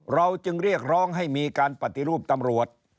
เราจึงเรียกร้องให้มีการปฏิรูปตำรวจ